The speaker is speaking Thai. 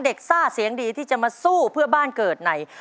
ซ่าเสียงดีที่จะมาสู้เพื่อบ้านเกิดใน